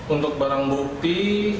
untuk barang bukti